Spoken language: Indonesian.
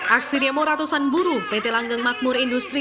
aksi demo ratusan buruh pt langgang makmur industri